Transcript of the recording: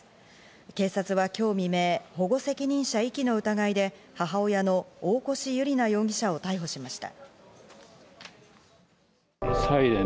警察は今日未明、保護責任者遺棄の疑いで母親の大越悠莉奈容疑者を逮捕しました。